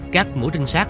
các mũi tinh sát